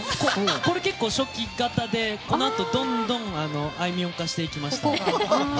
これ結構、初期型でこのあとどんどんあいみょん化していきました。